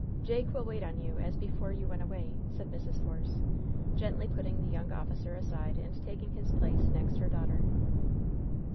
Jake will wait on you as before you went away," said Mrs. Force, gently putting the young officer aside and taking his place next her daughter.